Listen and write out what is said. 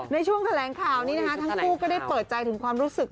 ในช่วงแถลงข่าวนี้นะคะทั้งคู่ก็ได้เปิดใจถึงความรู้สึก